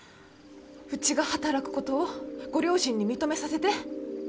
うちが働くことをご両親に認めさせて。